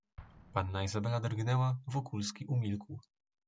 "Panna Izabela drgnęła, Wokulski umilkł."